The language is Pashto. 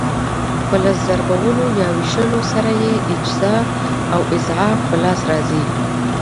په لس ضربولو یا وېشلو سره یې اجزا او اضعاف په لاس راځي.